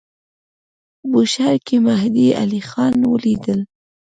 بوشهر کې مهدی علیخان ولیدی.